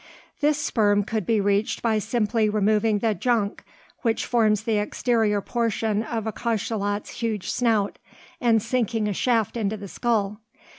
This sperm could be reached by simply removing the "junk" which forms the exterior portion of a cachalot's huge snout, and sinking a shaft into the skull.